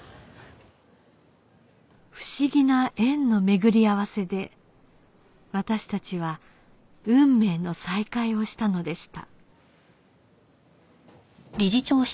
不思議な縁の巡り合わせで私たちは運命の再会をしたのでした